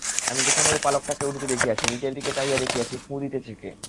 আমি যেখানে ওই পালকটাকে উড়িতে দেখিয়াছি, নিচের দিকে চাহিয়া দেখিয়াছি ফুঁ দিতেছে কে।